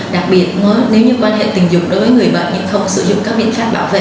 đặc biệt nếu như quan hệ tình dục đối với người bệnh thì không sử dụng các biện pháp bảo vệ